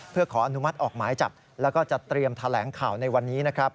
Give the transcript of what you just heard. เพื่อขออนุมัติออกหมายจับแล้วก็จะเตรียมแถลงข่าวในวันนี้นะครับ